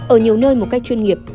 ở nhiều nơi một cách chuyên nghiệp